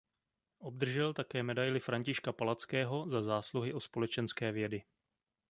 Obdržel také Medaili Františka Palackého za zásluhy o společenské vědy.